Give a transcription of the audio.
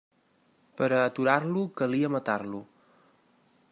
Per a aturar-lo calia matar-lo.